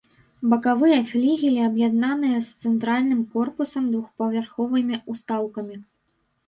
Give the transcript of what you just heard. Бакавыя флігелі аб'яднаныя з цэнтральным корпусам двухпавярховымі ўстаўкамі.